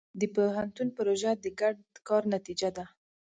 د پوهنتون پروژه د ګډ کار نتیجه ده.